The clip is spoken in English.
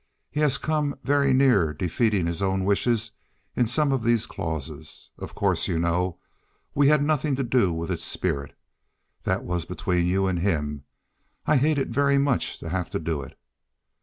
He has come very near defeating his own wishes in some of these clauses. Of course, you know, we had nothing to do with its spirit. That was between you and him. I hated very much to have to do it."